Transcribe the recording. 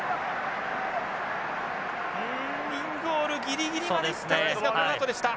うんインゴールギリギリまで行ったんですがこのあとでした。